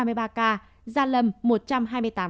gia lâm một trăm hai mươi tám ca